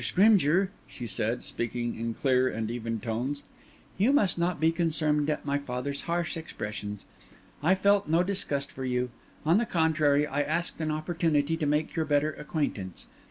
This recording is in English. Scrymgeour," she said, speaking in clear and even tones, "you must not be concerned at my father's harsh expressions. I felt no disgust for you; on the contrary, I asked an opportunity to make your better acquaintance.